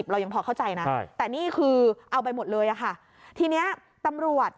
เรายังพอเข้าใจนะแต่นี่คือเอาไปหมดเลยอะค่ะทีนี้ตำรวจ